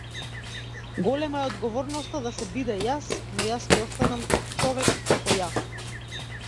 Голема е одговорноста да се биде јас, но јас ќе останам човјек као ја.